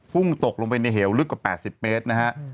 พุ่งตกลงไปในเหวลึกกว่า๘๐เมตรนะฮะ